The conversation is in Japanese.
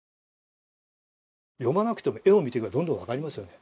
読まなくても絵を見ていけばどんどんわかりますよね。